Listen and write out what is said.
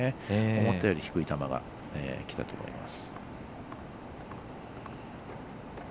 思ったより低い球がきたと思います。